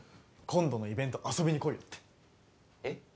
「今度のイベント遊びに来いよ」ってえっ？